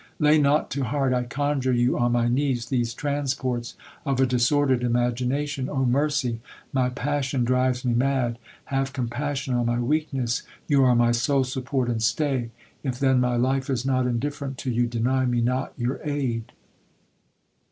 Lay not to heart, I conjure you on my knees, these transports of a disordered imagination. Oh mercy ! my passion drives me mad, have compassion on my weakness ; you are my sole support and stay : if then my life is not indifferent to you, deny me not your aid.